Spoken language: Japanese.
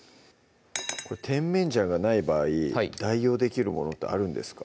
甜麺醤がない場合代用できるものってあるんですか？